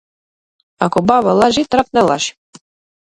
Ако баба лажи, трап не лажи.